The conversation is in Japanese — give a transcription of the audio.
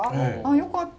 よかった。